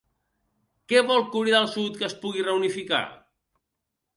Què vol Corea del sud que es pugui reunificar?